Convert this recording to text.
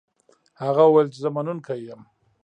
هغه وویل چې زه منونکی یم.